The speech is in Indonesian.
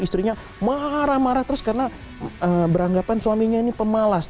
istrinya marah marah terus karena beranggapan suaminya ini pemalas